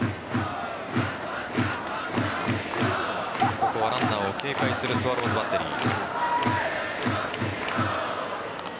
ここはランナーを警戒するスワローズバッテリー。